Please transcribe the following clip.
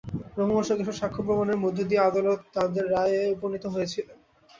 রোমহর্ষক এসব সাক্ষ্য প্রমাণের মধ্য দিয়ে আদালত তাঁদের রায়ে উপনীত হয়েছিলেন।